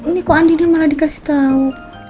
nih kok andi malah dikasih tahu